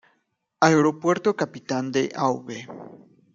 Aeropuerto Capitán de Av.